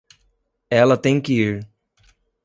Ela tem que ir.